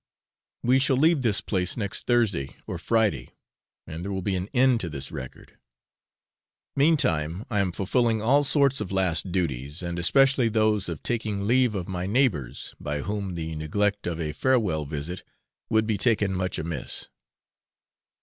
We shall leave this place next Thursday or Friday, and there will be an end to this record; meantime I am fulfilling all sorts of last duties, and especially those of taking leave of my neighbours, by whom the neglect of a farewell visit would be taken much amiss.